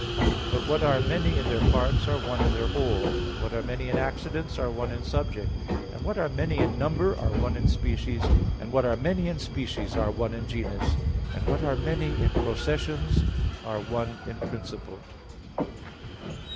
But what are many in their parts, are one in their whole; and what are many in accidents, are one in subject; and what are many in number, are one in species; and what are many in species, are one in genus; and what are many in processions, are one in principle."